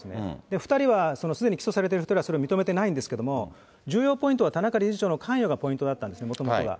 ２人は、起訴されてる２人は、それを認めていないんですけれども、重要ポイントは田中理事長の関与がポイントだったんですね、もともとは。